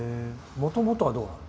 もともとはどうなの？